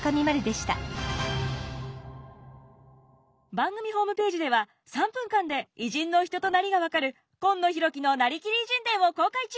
番組ホームページでは３分間で偉人の人となりが分かる「今野浩喜のなりきり偉人伝」を公開中！